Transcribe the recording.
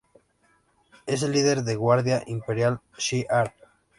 Es el líder de la Guardia Imperial Shi'Ar.